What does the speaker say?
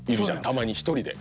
たまに１人で。